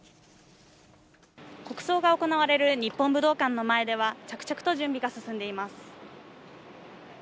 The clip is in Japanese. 国葬が行われる日本武道館の前では、着々と準備が進んでいます。